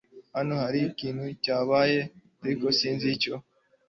Hano hari ikintu cyabaye, ariko sinzi icyo.